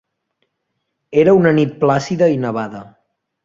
Era una nit plàcida i nevada.